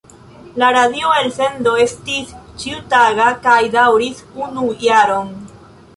La radio-elsendo estis ĉiutaga kaj daŭris unu jaron.